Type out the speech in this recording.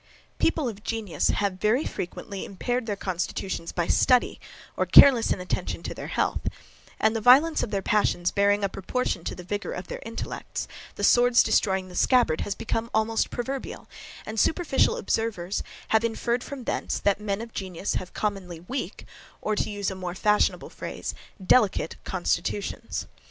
People of genius have, very frequently, impaired their constitutions by study, or careless inattention to their health, and the violence of their passions bearing a proportion to the vigour of their intellects, the sword's destroying the scabbard has become almost proverbial, and superficial observers have inferred from thence, that men of genius have commonly weak, or to use a more fashionable phrase, delicate constitutions.